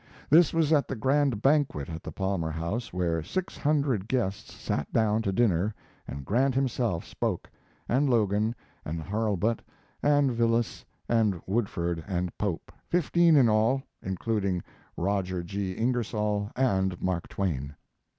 This was at the grand banquet at the Palmer House, where six hundred guests sat down to dinner and Grant himself spoke, and Logan and Hurlbut, and Vilas and Woodford and Pope, fifteen in all, including Robert G. Ingersoll and Mark Twain.